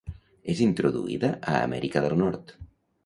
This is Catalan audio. És introduïda a Amèrica del Nord.